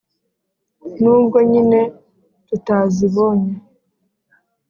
N'ubwo nyine tutazibonye